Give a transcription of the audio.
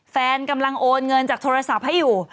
แฟนกำลังโอนเงินจากโทรศัพท์ให้อยู่